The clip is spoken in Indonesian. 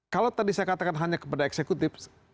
kalau tadi saya katakan hanya kepada eksekutif